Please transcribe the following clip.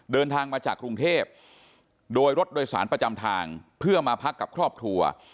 เดินทางมาจากกรุงเทพโดยรถโดยสารประจำทางเพื่อมาพักกับครอบครัว